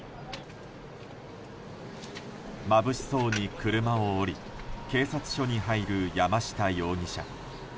まぶしそうに車を降り警察署に入る山下容疑者。